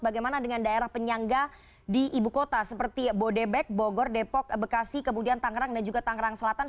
bagaimana dengan daerah penyangga di ibu kota seperti bodebek bogor depok bekasi kemudian tangerang dan juga tangerang selatan